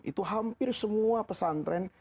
itu hampir semua pesantren